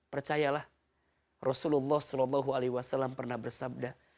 percayalah rasulullah saw pernah bersabda